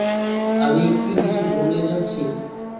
আমি কি কিছু ভুলে যাচ্ছি?